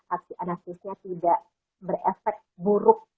aksi anarkisnya tidak berefek buruk